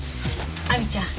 亜美ちゃん